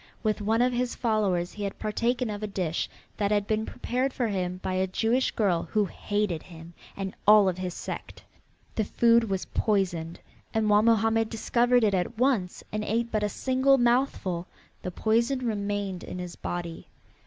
With one of his followers he had partaken of a dish that had been prepared for him by a Jewish girl who hated him and all of his sect. The food was poisoned, and while Mohammed discovered it at once and ate but a single mouthful, the poison remained in his body.